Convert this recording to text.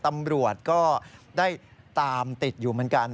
ตำรวจก็ได้ตามติดอยู่เหมือนกัน